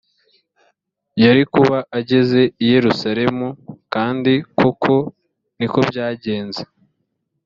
yari kuba ageze i yerusalemu kandi koko ni ko byagenze